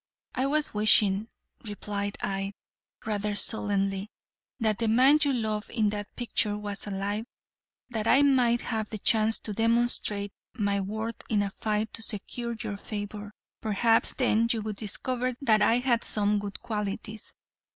"I was wishing," replied I rather sullenly, "that the man you love in that picture was alive, that I might have the chance to demonstrate my worth in a fight to secure your favor; perhaps, then, you would discover that I had some good qualities."